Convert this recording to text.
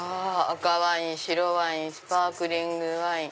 「赤ワイン」「白ワイン」「スパークリングワイン」。